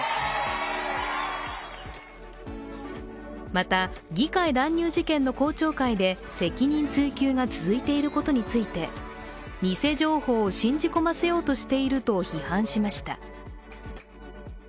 また、議会乱入事件の公聴会で、責任追及が続いていることについて、偽情報を信じ込ませようとしていると批判しました。